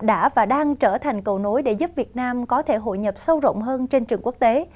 đã và đang trở thành cầu nối để giúp việt nam có thể hội nhập sâu rộng hơn trên trường quốc tế